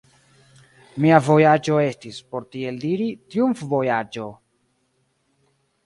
Mia vojaĝo estis, por tiel diri, triumfvojaĝo.